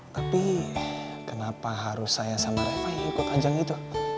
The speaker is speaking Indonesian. tapi kenapa harus saya sama reva yang ikut ajang itu